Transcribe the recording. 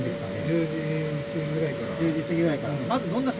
１０時過ぎぐらいから。